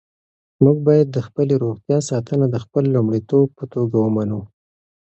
موږ باید د خپلې روغتیا ساتنه د خپل لومړیتوب په توګه ومنو.